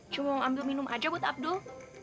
cuma ambil minum aja buat abdul